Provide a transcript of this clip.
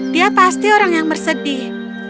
dia pasti orang yang bersedih